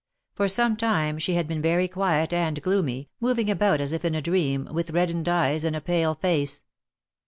For some time she had been very quiet and gloomy, moving about as if in a dream, with reddened eyes and a pale face.